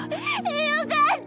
よかった。